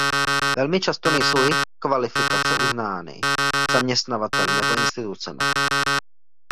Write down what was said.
Velmi často nejsou jejich kvalifikace uznány zaměstnavateli nebo institucemi.